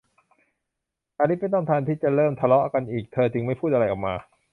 อลิซไม่ต้องการที่จะเริ่มทะเลาะกันอีก เธอจึงไม่พูดอะไรออกมา